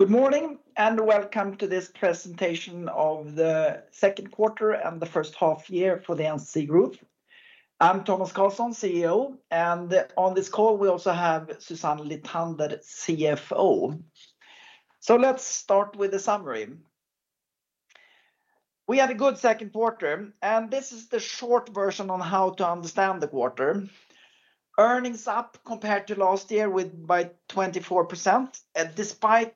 Good morning, and welcome to this presentation of the second quarter and the first half year for the NCC Group. I'm Tomas Carlsson, CEO, and on this call, we also have Susanne Lithander, CFO. So let's start with the summary. We had a good second quarter, and this is the short version on how to understand the quarter. Earnings up compared to last year by 24%, despite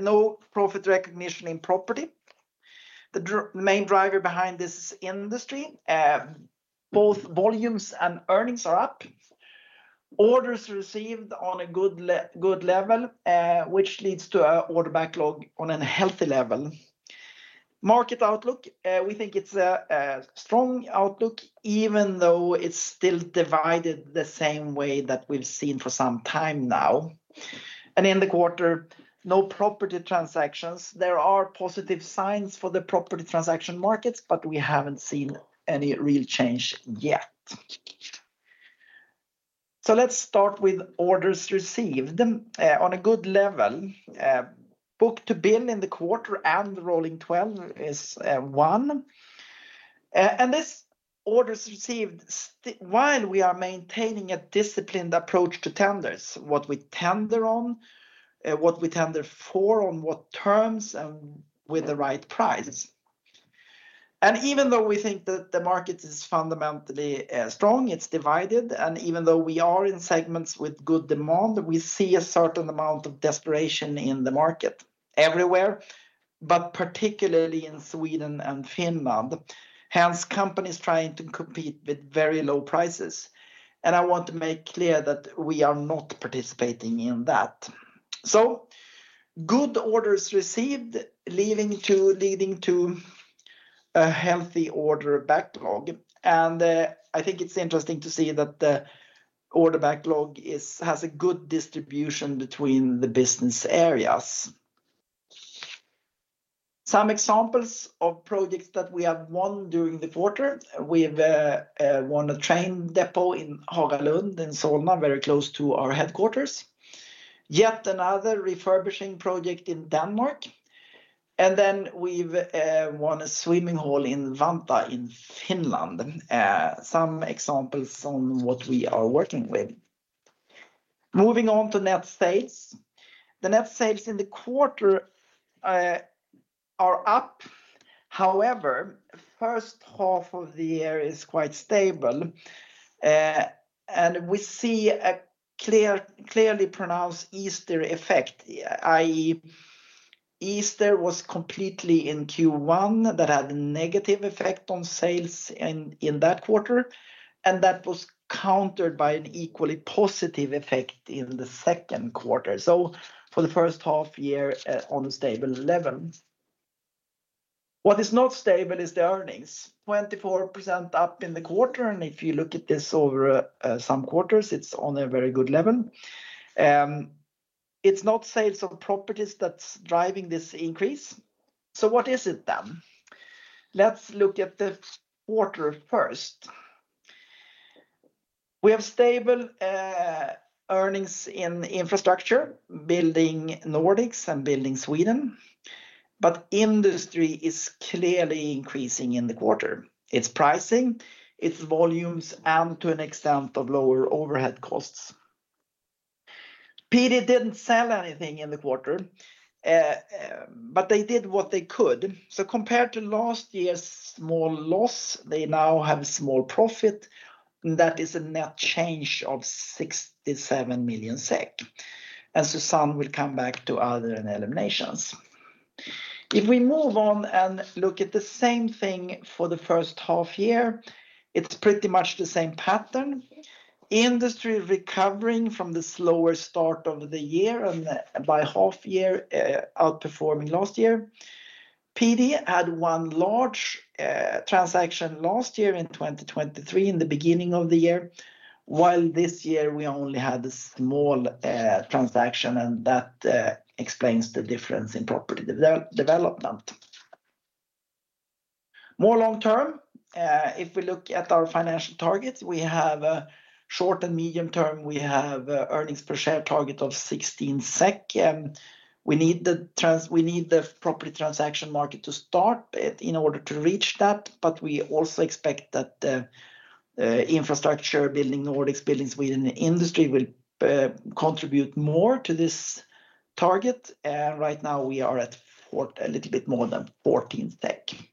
no profit recognition in property. The main driver behind this is industry. Both volumes and earnings are up. Orders received on a good level, which leads to an order backlog on a healthy level. Market outlook, we think it's a strong outlook, even though it's still divided the same way that we've seen for some time now. In the quarter, no property transactions. There are positive signs for the property transaction markets, but we haven't seen any real change yet. Let's start with orders received. On a good level, book to bill in the quarter and the rolling twelve is 1. And this orders received while we are maintaining a disciplined approach to tenders, what we tender on, what we tender for, on what terms, and with the right price. And even though we think that the market is fundamentally strong, it's divided, and even though we are in segments with good demand, we see a certain amount of desperation in the market everywhere, but particularly in Sweden and Finland, hence companies trying to compete with very low prices. And I want to make clear that we are not participating in that. So good orders received, leading to a healthy order backlog, and I think it's interesting to see that the order backlog has a good distribution between the business areas. Some examples of projects that we have won during the quarter, we've won a train depot in Hagalund, in Solna, very close to our headquarters. Yet another refurbishing project in Denmark, and then we've won a swimming hall in Vantaa, in Finland. Some examples on what we are working with. Moving on to net sales. The net sales in the quarter are up. However, first half of the year is quite stable, and we see a clearly pronounced Easter effect, i.e., Easter was completely in Q1. That had a negative effect on sales in that quarter, and that was countered by an equally positive effect in the second quarter, so for the first half year, on a stable level. What is not stable is the earnings, 24% up in the quarter, and if you look at this over some quarters, it's on a very good level. It's not sales of properties that's driving this increase. So what is it then? Let's look at the quarter first. We have stable earnings in Infrastructure, Building Nordics, and Building Sweden, but Industry is clearly increasing in the quarter, its pricing, its volumes, and to an extent of lower overhead costs. PD didn't sell anything in the quarter, but they did what they could. So compared to last year's small loss, they now have a small profit, and that is a net change of 67 million SEK, and Susanne will come back to other and eliminations. If we move on and look at the same thing for the first half year, it's pretty much the same pattern. Industry recovering from the slower start of the year, and by half year, outperforming last year. PD had one large transaction last year in 2023, in the beginning of the year, while this year we only had a small transaction, and that explains the difference in property development. More long term, if we look at our financial targets, we have a short and medium term, we have a earnings per share target of 16 SEK, and we need the property transaction market to start it in order to reach that. But we also expect that, Infrastructure, Building Nordics, Building Sweden, and Industry will contribute more to this target. Right now, we are at a little bit more than 14 SEK.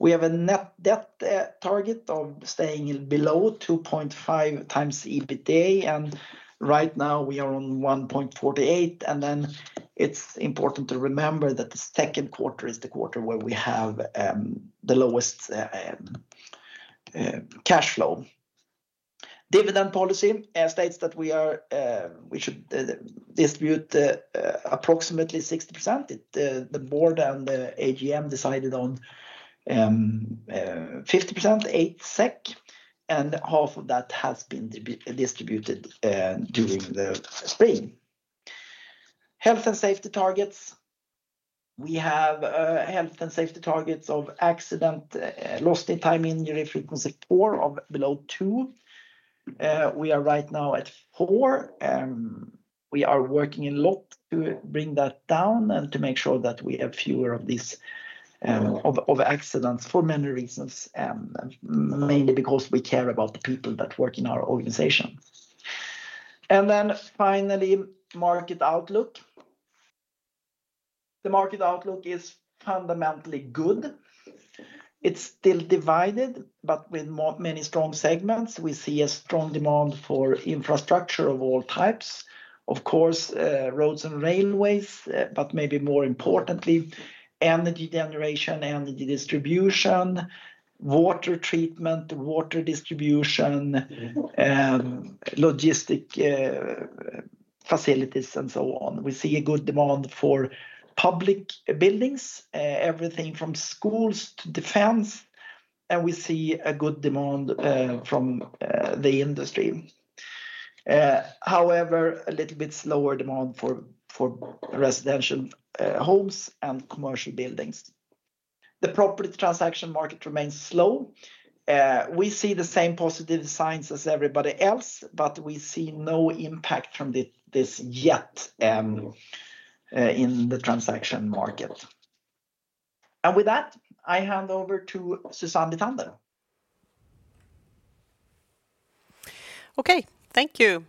We have a net debt target of staying below 2.5 times EBITDA, and right now we are on 1.48, and then it's important to remember that the second quarter is the quarter where we have the lowest cash flow. Dividend policy states that we should distribute approximately 60%. The board and the AGM decided on 50%, 8 SEK, and 4 SEK of that has been distributed during the spring. Health and safety targets. We have health and safety targets of accident lost time injury frequency of below 2. We are right now at 4, we are working a lot to bring that down and to make sure that we have fewer of these accidents for many reasons, mainly because we care about the people that work in our organization. Then finally, market outlook. The market outlook is fundamentally good. It's still divided, but with many strong segments, we see a strong demand for infrastructure of all types. Of course, roads and railways, but maybe more importantly, energy generation, energy distribution, water treatment, water distribution, logistic facilities, and so on. We see a good demand for public buildings, everything from schools to defense, and we see a good demand from the industry. However, a little bit slower demand for residential homes and commercial buildings. The property transaction market remains slow. We see the same positive signs as everybody else, but we see no impact from this yet in the transaction market. And with that, I hand over to Susanne Lithander. Okay, thank you.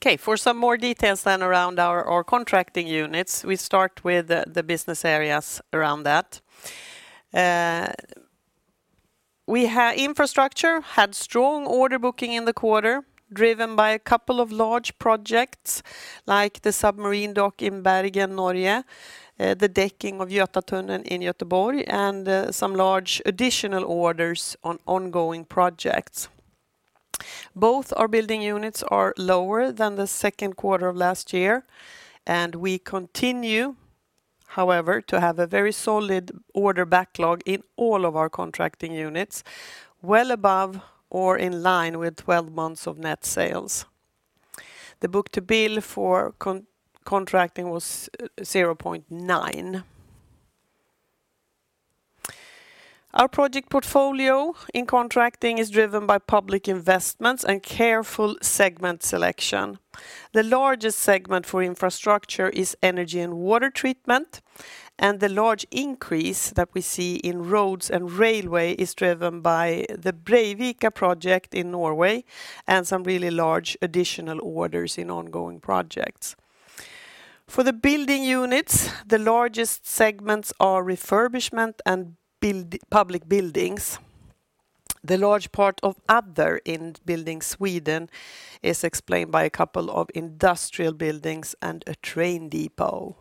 Okay, for some more details then around our, our contracting units, we start with the, the business areas around that. Our infrastructure had strong order booking in the quarter, driven by a couple of large projects, like the submarine dock in Bergen, Norway, the decking of Götatunnel in Göteborg, and some large additional orders on ongoing projects. Both our building units are lower than the second quarter of last year, and we continue, however, to have a very solid order backlog in all of our contracting units, well above or in line with 12 months of net sales. The book-to-bill for contracting was 0.9. Our project portfolio in contracting is driven by public investments and careful segment selection. The largest segment for infrastructure is energy and water treatment, and the large increase that we see in roads and railway is driven by the Breivika project in Norway, and some really large additional orders in ongoing projects. For the building units, the largest segments are refurbishment and building public buildings. The large part of other in Building Sweden is explained by a couple of industrial buildings and a train depot.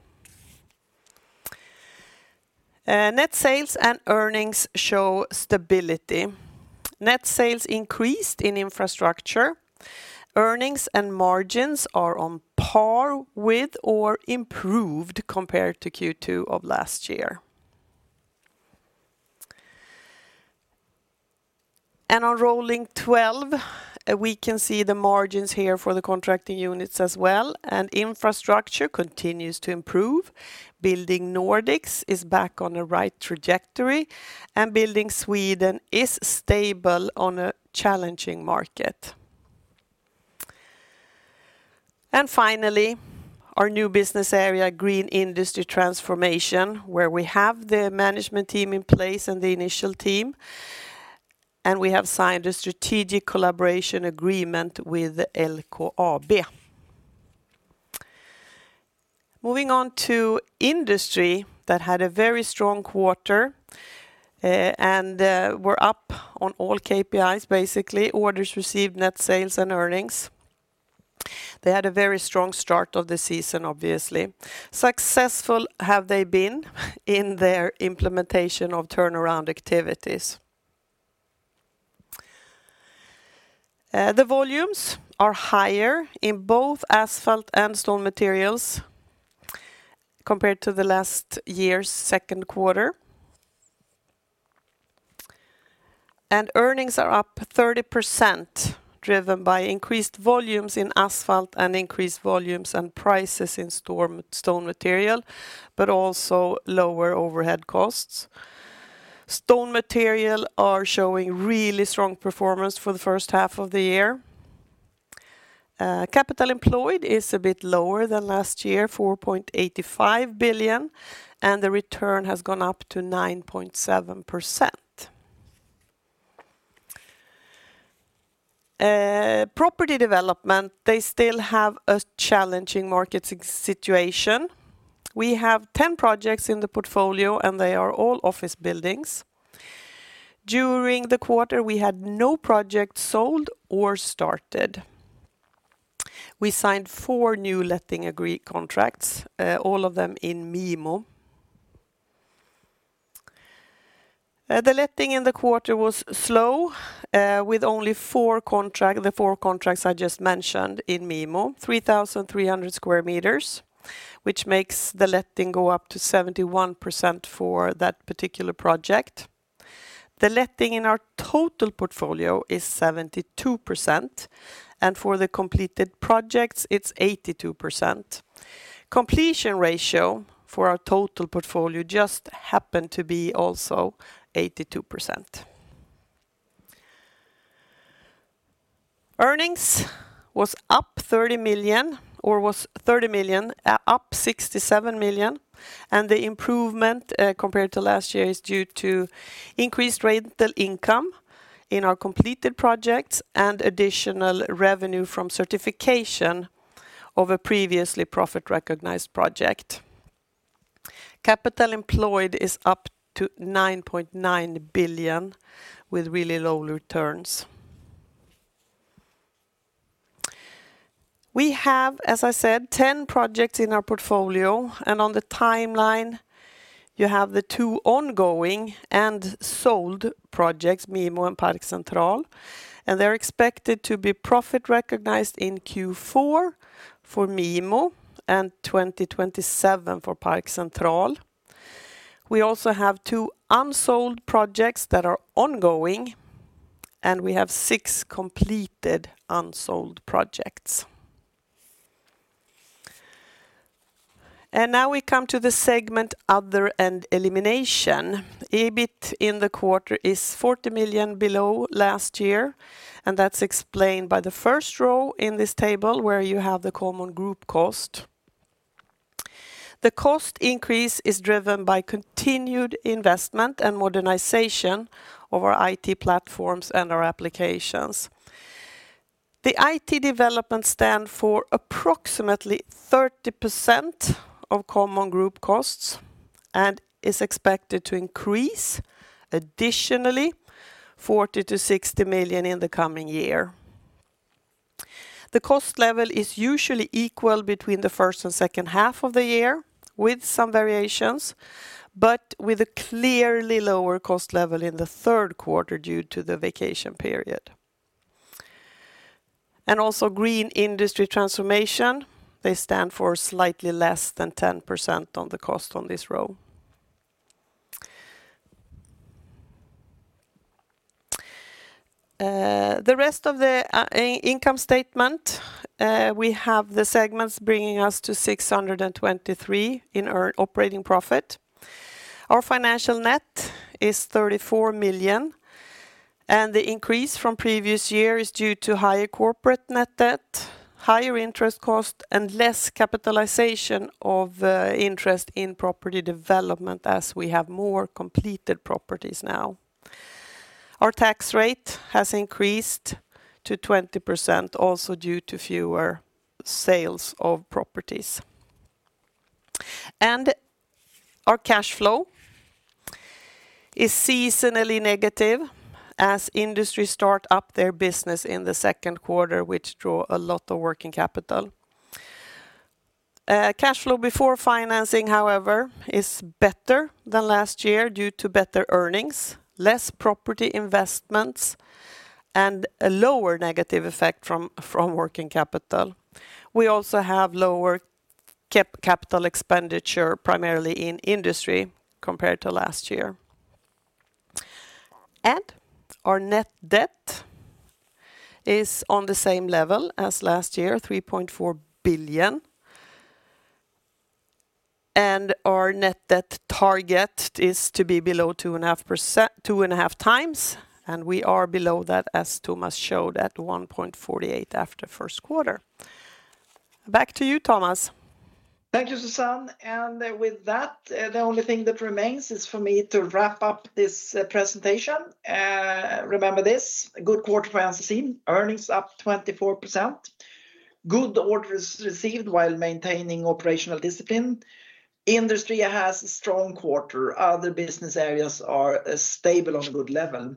Net sales and earnings show stability. Net sales increased in infrastructure. Earnings and margins are on par with or improved compared to Q2 of last year. On rolling twelve, we can see the margins here for the contracting units as well, and infrastructure continues to improve. Building Nordics is back on the right trajectory, and Building Sweden is stable on a challenging market. And finally, our new business area, Green Industry Transformation, where we have the management team in place and the initial team, and we have signed a strategic collaboration agreement with LKAB. Moving on to industry, that had a very strong quarter, we're up on all KPIs, basically, orders received, net sales, and earnings. They had a very strong start of the season, obviously. Successful have they been in their implementation of turnaround activities. The volumes are higher in both asphalt and stone materials compared to last year's second quarter. Earnings are up 30%, driven by increased volumes in asphalt and increased volumes and prices in stone material, but also lower overhead costs. Stone material are showing really strong performance for the first half of the year. Capital employed is a bit lower than last year, 4.85 billion, and the return has gone up to 9.7%. Property development, they still have a challenging market situation. We have 10 projects in the portfolio, and they are all office buildings. During the quarter, we had no project sold or started. We signed 4 new letting agreement contracts, all of them in MIMO. The letting in the quarter was slow, with only four contracts, the four contracts I just mentioned in MIMO, 3,300 sq m, which makes the letting go up to 71% for that particular project. The letting in our total portfolio is 72%, and for the completed projects, it's 82%. Completion ratio for our total portfolio just happened to be also 82%. Earnings was up 30 million—or was 30 million, up 67 million, and the improvement compared to last year is due to increased rental income in our completed projects and additional revenue from certification of a previously profit-recognized project. Capital employed is up to 9.9 billion, with really low returns. We have, as I said, 10 projects in our portfolio, and on the timeline, you have the 2 ongoing and sold projects, MIMO and Park Central, and they're expected to be profit-recognized in Q4 for MIMO and 2027 for Park Central. We also have 2 unsold projects that are ongoing, and we have 6 completed unsold projects. Now we come to the segment other and elimination. EBIT in the quarter is 40 million below last year, and that's explained by the first row in this table, where you have the common group cost. The cost increase is driven by continued investment and modernization of our IT platforms and our applications. The IT development stand for approximately 30% of common group costs and is expected to increase additionally 40-60 million in the coming year. The cost level is usually equal between the first and second half of the year, with some variations, but with a clearly lower cost level in the third quarter due to the vacation period. And also, green industry transformation, they stand for slightly less than 10% on the cost on this row. The rest of the income statement, we have the segments bringing us to 623 in our operating profit. Our financial net is 34 million, and the increase from previous year is due to higher corporate net debt, higher interest cost, and less capitalization of interest in property development as we have more completed properties now. Our tax rate has increased to 20%, also due to fewer sales of properties. Our cash flow is seasonally negative as industries start up their business in the second quarter, which draw a lot of working capital. Cash flow before financing, however, is better than last year due to better earnings, less property investments, and a lower negative effect from working capital. We also have lower capital expenditure, primarily in industry, compared to last year. Our net debt is on the same level as last year, 3.4 billion. Our net debt target is to be below 2.5%—2.5 times, and we are below that, as Tomas showed, at 1.48 after first quarter. Back to you, Tomas. Thank you, Susanne. And with that, the only thing that remains is for me to wrap up this presentation. Remember this, a good quarter for NCC, earnings up 24%. Good orders received while maintaining operational discipline. Industry has a strong quarter. Other business areas are stable on a good level.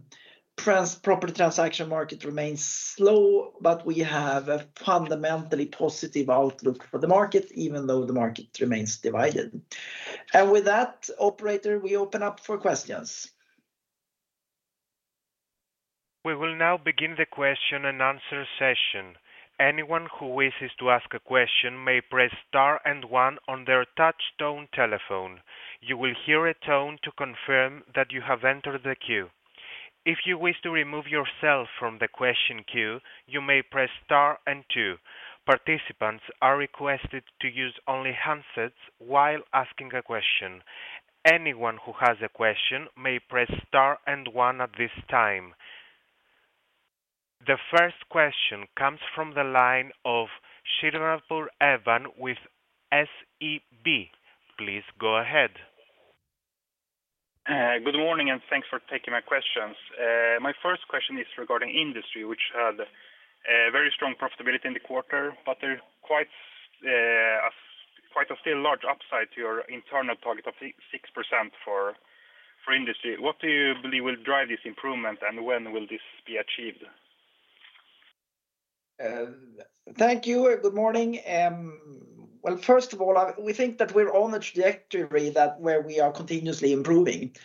The property transaction market remains slow, but we have a fundamentally positive outlook for the market, even though the market remains divided. And with that, operator, we open up for questions. We will now begin the question-and-answer session. Anyone who wishes to ask a question may press Star and One on their touchtone telephone. You will hear a tone to confirm that you have entered the queue. If you wish to remove yourself from the question queue, you may press Star and Two. Participants are requested to use only handsets while asking a question. Anyone who has a question may press Star and One at this time. The first question comes from the line of Shravan Shah with SEB. Please go ahead. Good morning, and thanks for taking my questions. My first question is regarding industry, which had very strong profitability in the quarter, but there are quite, quite a still large upside to your internal target of 6, 6% for industry. What do you believe will drive this improvement, and when will this be achieved? Thank you, and good morning. Well, first of all, we think that we're on the trajectory that where we are continuously improving,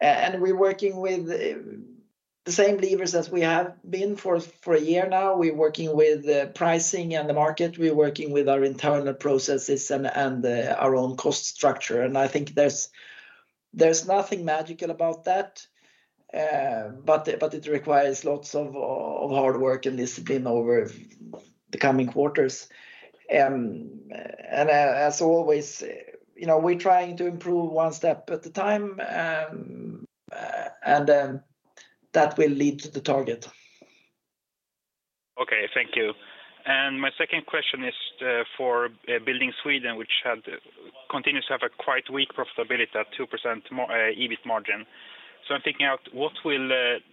and we're working with the same levers as we have been for a year now. We're working with pricing and the market. We're working with our internal processes and our own cost structure. And I think there's nothing magical about that, but it requires lots of hard work and discipline over the coming quarters. And as always, you know, we're trying to improve one step at a time, and that will lead to the target. Okay, thank you. And my second question is for Building Sweden, which continues to have a quite weak profitability at 2% EBIT margin. So I'm thinking out what will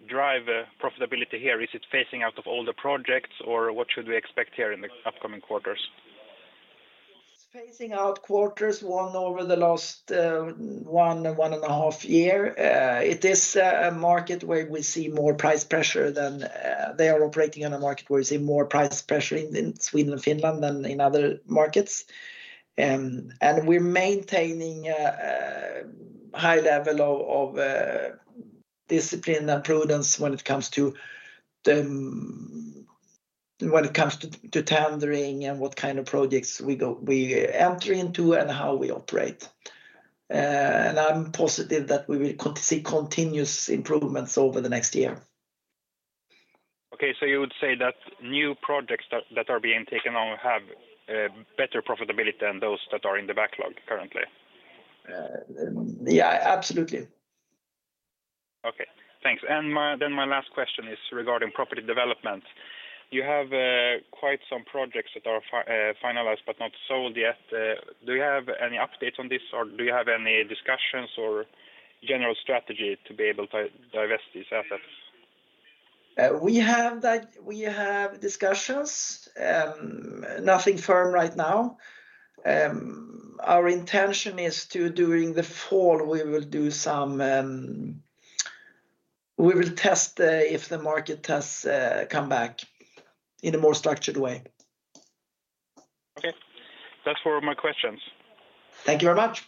drive profitability here? Is it phasing out of all the projects, or what should we expect here in the upcoming quarters? It's phasing out over the last one and a half year. It is a market where we see more price pressure than... They are operating in a market where we see more price pressure in Sweden and Finland than in other markets. And we're maintaining a high level of discipline and prudence when it comes to tendering and what kind of projects we enter into, and how we operate. And I'm positive that we will see continuous improvements over the next year. Okay, so you would say that new projects that are being taken on have better profitability than those that are in the backlog currently? Yeah, absolutely. Okay, thanks. My last question is regarding property development. You have quite some projects that are finalized but not sold yet. Do you have any updates on this, or do you have any discussions or general strategy to be able to divest these assets? We have discussions, nothing firm right now. Our intention is to, during the fall, we will do some. We will test if the market has come back in a more structured way. Okay. That's all of my questions. Thank you very much.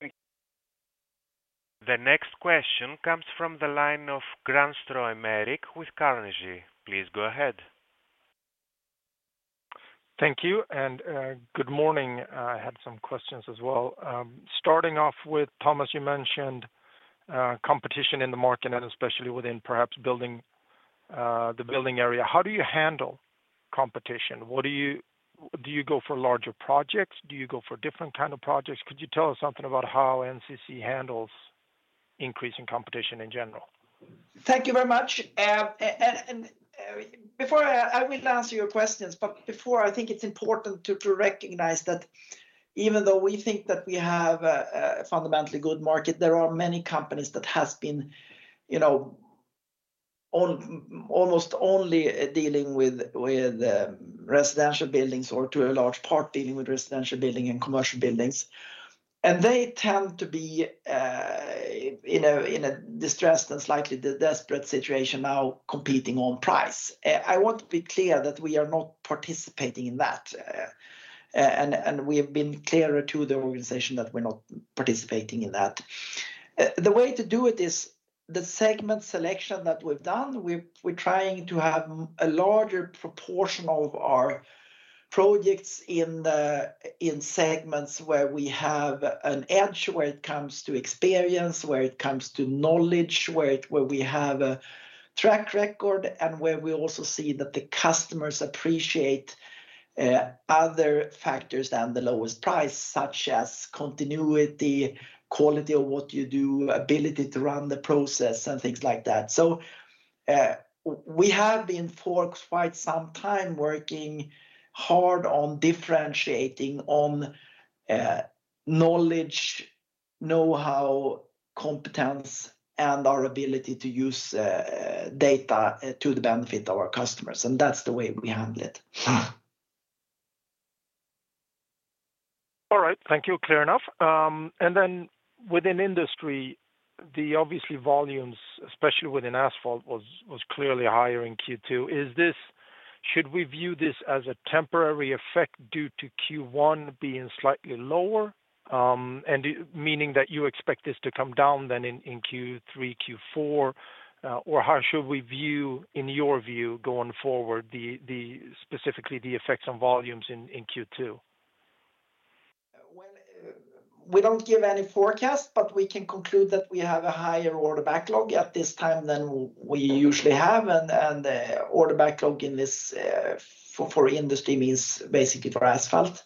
Thank you. The next question comes from the line of Granström Eric with Carnegie. Please go ahead. Thank you, and, good morning. I had some questions as well. Starting off with, Tomas, you mentioned, competition in the market, and especially within perhaps building, the building area. How do you handle competition? Do you go for larger projects? Do you go for different kind of projects? Could you tell us something about how NCC handles increasing competition in general? Thank you very much. And, before I will answer your questions, but before, I think it's important to recognize that even though we think that we have a fundamentally good market, there are many companies that has been, you know, almost only dealing with residential buildings, or to a large part, dealing with residential building and commercial buildings. And they tend to be, you know, in a distressed and slightly desperate situation now, competing on price. I want to be clear that we are not participating in that, and we have been clearer to the organization that we're not participating in that. The way to do it is the segment selection that we've done. We're trying to have a larger proportion of our projects in the segments where we have an edge, where it comes to experience, where it comes to knowledge, where we have a track record, and where we also see that the customers appreciate other factors than the lowest price, such as continuity, quality of what you do, ability to run the process, and things like that. So, we have been for quite some time working hard on differentiating on knowledge, know-how, competence, and our ability to use data to the benefit of our customers, and that's the way we handle it. All right, thank you. Clear enough. And then within industry, the obviously volumes, especially within asphalt, was clearly higher in Q2. Is this-should we view this as a temporary effect due to Q1 being slightly lower? And I mean meaning that you expect this to come down then in Q3, Q4, or how should we view, in your view, going forward, specifically the effects on volumes in Q2? Well, we don't give any forecast, but we can conclude that we have a higher order backlog at this time than we usually have. And order backlog in this for industry means basically for asphalt.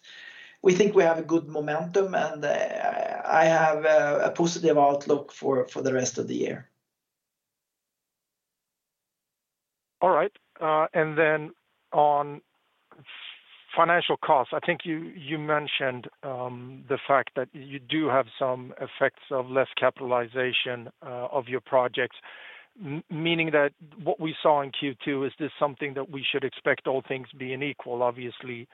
We think we have a good momentum, and I have a positive outlook for the rest of the year. All right. And then on financial costs, I think you, you mentioned the fact that you do have some effects of less capitalization of your projects, meaning that what we saw in Q2, is this something that we should expect, all things being equal, obviously,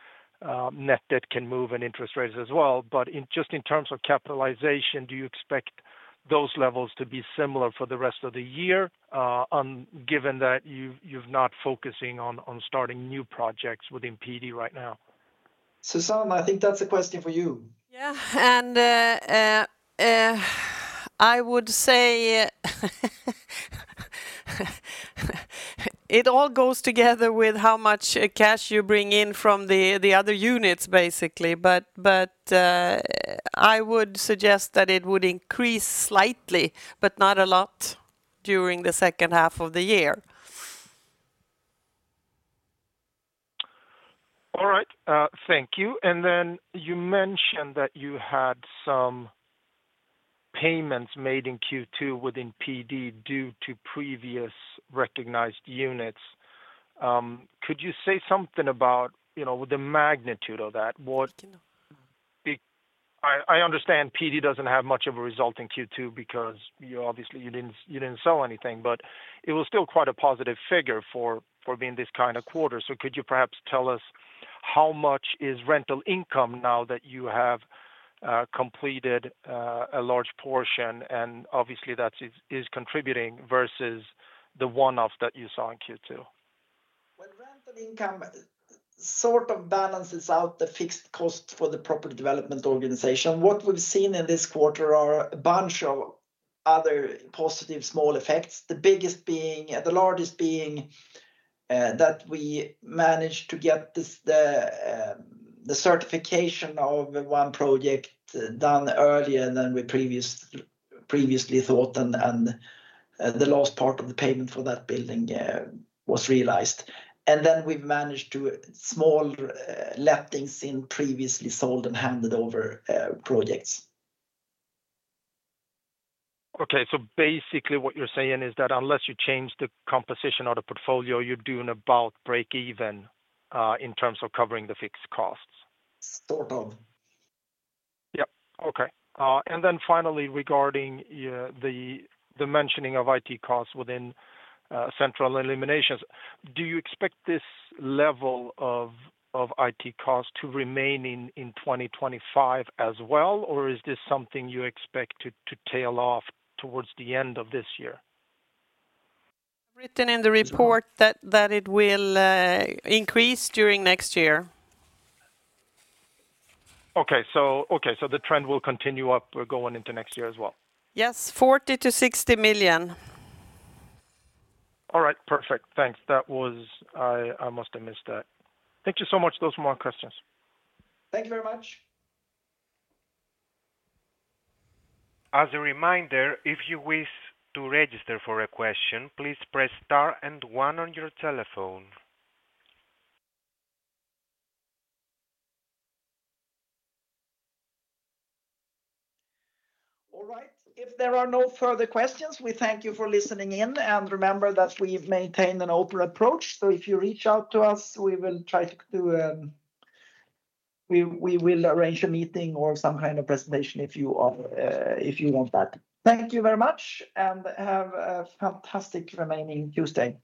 net debt can move and interest rates as well. But just in terms of capitalization, do you expect those levels to be similar for the rest of the year, given that you've, you've not focusing on starting new projects within PD right now?... Susanne, I think that's a question for you. Yeah, and I would say it all goes together with how much cash you bring in from the other units, basically. But I would suggest that it would increase slightly, but not a lot, during the second half of the year. All right, thank you. And then you mentioned that you had some payments made in Q2 within PD due to previous recognized units. Could you say something about, you know, the magnitude of that? I, I understand PD doesn't have much of a result in Q2 because you obviously you didn't, you didn't sell anything, but it was still quite a positive figure for, for being this kind of quarter. So could you perhaps tell us how much is rental income now that you have completed a large portion, and obviously that is, is contributing versus the one-off that you saw in Q2? Well, rental income sort of balances out the fixed cost for the property development organization. What we've seen in this quarter are a bunch of other positive small effects. The largest being that we managed to get the certification of one project done earlier than we previously thought, and the last part of the payment for that building was realized. And then we've managed to small left things in previously sold and handed over projects. Okay, so basically what you're saying is that unless you change the composition or the portfolio, you're doing about breakeven in terms of covering the fixed costs? Sort of. Yep, okay. And then finally, regarding the mentioning of IT costs within central eliminations, do you expect this level of IT costs to remain in 2025 as well, or is this something you expect to tail off towards the end of this year? Written in the report that it will increase during next year. Okay, so, okay, so the trend will continue up going into next year as well? Yes, 40 million-60 million. All right. Perfect. Thanks. That was... I, I must have missed that. Thank you so much. Those are my questions. Thank you very much. As a reminder, if you wish to register for a question, please press Star and One on your telephone. All right. If there are no further questions, we thank you for listening in, and remember that we've maintained an open approach. So if you reach out to us, we will try to, we will arrange a meeting or some kind of presentation if you are, if you want that. Thank you very much, and have a fantastic remaining Tuesday.